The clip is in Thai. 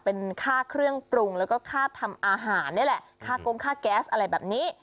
เป็นค่าเครื่องปรุงแล้วก็ค่าทำอาหารนี่แหละค่ากงค่าแก๊สอะไรแบบนี้